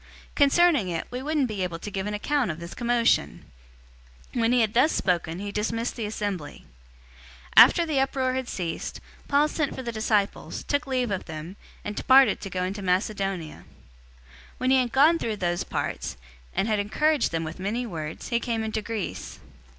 Concerning it, we wouldn't be able to give an account of this commotion." 019:041 When he had thus spoken, he dismissed the assembly. 020:001 After the uproar had ceased, Paul sent for the disciples, took leave of them, and departed to go into Macedonia. 020:002 When he had gone through those parts, and had encouraged them with many words, he came into Greece.